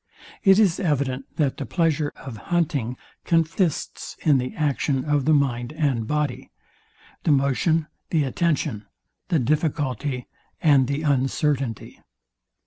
It is evident, that the pleasure of hunting conflicts in the action of the mind and body; the motion, the attention, the difficulty, and the uncertainty.